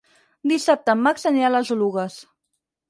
Dissabte en Max anirà a les Oluges.